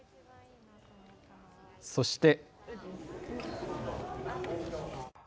そして。